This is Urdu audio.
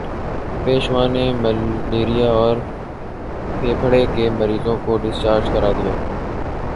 پیشوا نے ملیریا اور پھیپھڑے کے مریضوں کو ڈسچارج کرا دیا